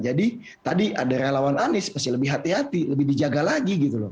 jadi tadi ada relawan anies pasti lebih hati hati lebih dijaga lagi gitu loh